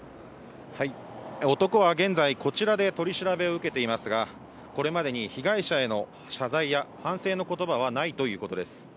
男は現在、こちらで取り調べを受けていますが、これまでに被害者への謝罪や反省の言葉はないということです。